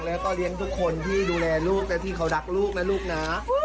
แล้วก็เลี้ยงทุกคนที่ดูแลลูกนะที่เขารักลูกนะลูกนะ